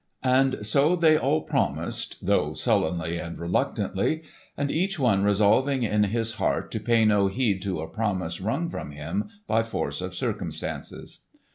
And so they all promised, though sullenly and reluctantly, and each one resolving in his heart to pay no heed to a promise wrung from him by force of circumstances.